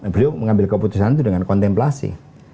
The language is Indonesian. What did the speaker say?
beliau mengambil keputusan itu dengan kontemplasi